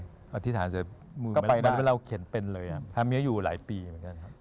องค์อธิษฐานเสร็จเราเขียนเป็นเลยครับทำให้อยู่หลายปีเหมือนกันครับซ่อมเป็นอะไร